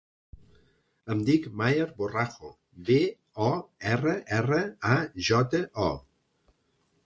Em dic Maher Borrajo: be, o, erra, erra, a, jota, o.